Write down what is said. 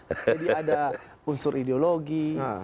jadi ada unsur ideologi